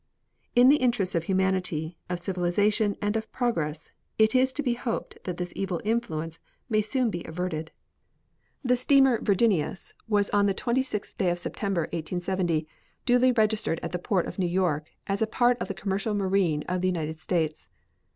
In the interests of humanity, of civilization, and of progress, it is to be hoped that this evil influence may be soon averted. The steamer Virginius was on the 26th day of September, 1870, duly registered at the port of New York as a part of the commercial marine of the United States.